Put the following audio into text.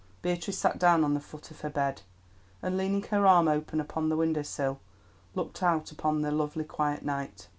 Beatrice sat down on the foot of her bed, and leaning her arm upon the window sill looked out upon the lovely quiet night.